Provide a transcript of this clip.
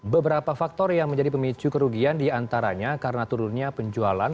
beberapa faktor yang menjadi pemicu kerugian diantaranya karena turunnya penjualan